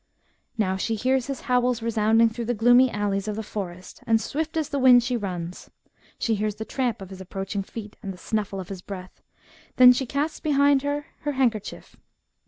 Now she hears his howls resounding through the gloomy alleys of the forest, and swift as the wind she runs. She hears the tramp of his approaching feet, and the snuflSe of his breath. Then she casts behind her her handkerchief.